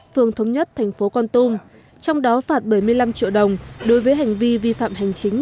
phường thống nhất thành phố con tum trong đó phạt bảy mươi năm triệu đồng đối với hành vi vi phạm hành chính